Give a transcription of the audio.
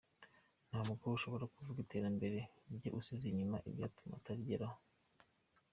Ntabwo ushobora kuvuga iterambere rye usize inyuma ibyatuma atarigeraho.